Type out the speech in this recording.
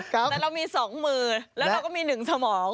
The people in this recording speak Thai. แต่เรามี๒มือแล้วเราก็มี๑สมอง